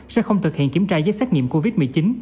sẽ không thực hiện kiểm tra giấy xét nghiệm covid một mươi chín